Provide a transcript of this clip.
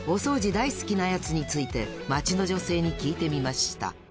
大好きなヤツについて街の女性に聞いてみました